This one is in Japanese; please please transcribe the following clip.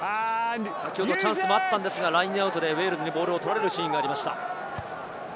先ほどチャンスもあったんですが、ラインアウトでウェールズにボールを取られるシーンがありました。